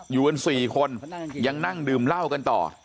อยู่กัน๔คนยังนั่งดื่มเหล้ากันต่อ